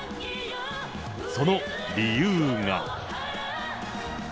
その理由が。